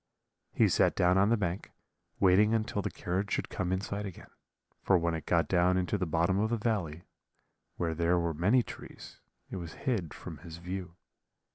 "He sat down on the bank, waiting until the carriage should come in sight again: for when it got down into the bottom of the valley, where there were many trees, it was hid from his view.